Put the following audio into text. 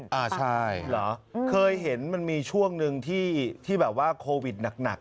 กลิ่นปลับบังค์นี้ครับเคยเห็นมันมีช่วงนึงที่แบบว่าโควิดหนัก